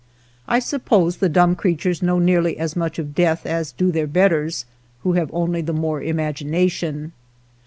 I suppose the dumb creatures know nearly as much of death as do their betters, who have only the more imagination.